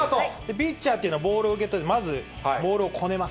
ピッチャーっていうのは、ボールを受け取り、まず、ボールをこねます。